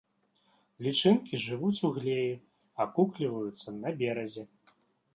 Лічынкі жывуць у глеі, акукліваюцца на беразе.